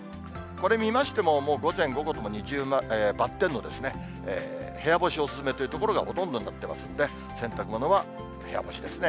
これ見ましても、もう午前、午後ともばってんの部屋干しお勧めという所がほとんどになってますんで、洗濯物は部屋干しですね。